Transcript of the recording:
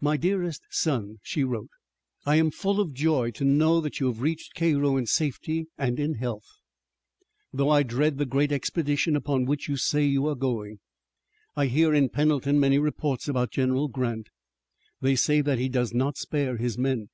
"My dearest son," she wrote, "I am full of joy to know that you have reached Cairo in safety and in health, though I dread the great expedition upon which you say you are going. I hear in Pendleton many reports about General Grant. They say that he does not spare his men.